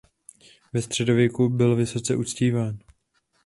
Ve středověku byl vysoce uctíván.